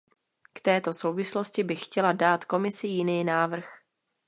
V této souvislosti bych chtěla dát Komisi jiný návrh.